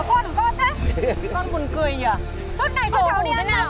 con buồn cười nhỉ